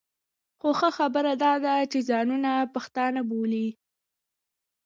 خو ښه خبره دا ده چې ځانونه پښتانه بولي.